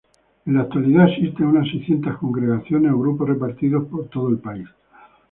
En la actualidad existen unas seiscientas congregaciones o grupos repartidos por todo el país.